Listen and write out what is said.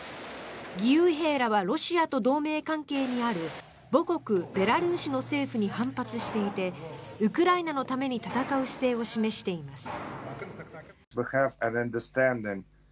義勇兵らはロシアと同盟関係にある母国ベラルーシの政府に反発していてウクライナのために戦う姿勢を示しています。